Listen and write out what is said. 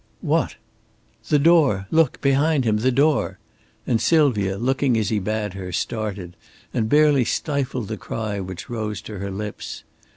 "What?" "The door. Look! Behind him! The door!" And Sylvia, looking as he bade her, started, and barely stifled the cry which rose to her lips.